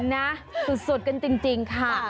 นะสุดกันจริงค่ะ